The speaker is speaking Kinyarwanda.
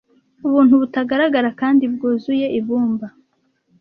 Ubuntu butagaragara kandi bwuzuye ibumba,